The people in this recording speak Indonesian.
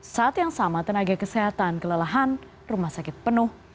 saat yang sama tenaga kesehatan kelelahan rumah sakit penuh